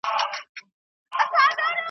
غم ته به مي شا سي، وايي بله ورځ .